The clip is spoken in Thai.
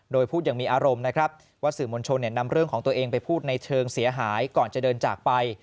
โดยพูดอย่างมีอารมณ์นะครับว่าสื่อมวลชนนำเรื่องของตัวเองไปพูดในเชิงเสียหายก่อนจะเดินจากไป